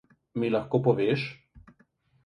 Mi lahko poveš?